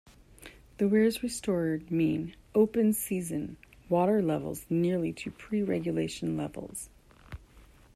The weirs restored mean open-season water levels nearly to pre-regulation levels.